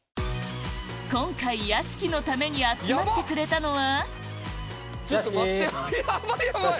今回屋敷のために集まってくれたのは？